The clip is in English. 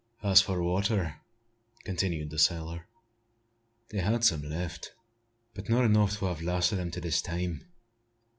"As for water," continued the sailor, "they had some left; but not enough to have lasted them to this time.